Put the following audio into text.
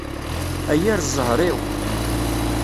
A yir ẓẓher-iw!